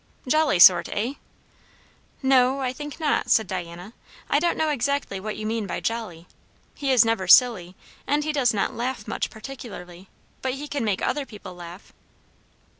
"Jolly sort, eh?" "No, I think not," said Diana; "I don't know exactly what you mean by jolly; he is never silly, and he does not laugh much particularly; but he can make other people laugh."